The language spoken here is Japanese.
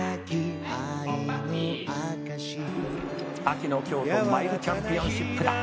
「秋の京都マイルチャンピオンシップだ」